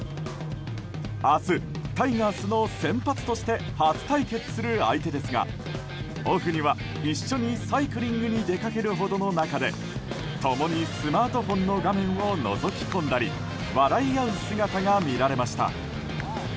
明日、タイガースの先発として初対決する相手ですがオフには一緒にサイクリングに出かけるほどの仲で共にスマートフォンの画面をのぞき込んだり笑い合う姿が見られました。